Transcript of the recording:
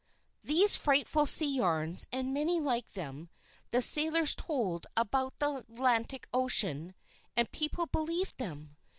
These frightful sea yarns and many like them, the sailors told about the Atlantic Ocean, and people believed them.